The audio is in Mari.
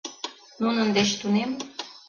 Нунын деч тунем.